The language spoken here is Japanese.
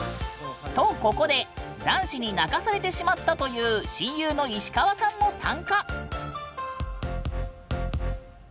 とここで男子に泣かされてしまったという親友のイシカワさんも参加ＯＫ？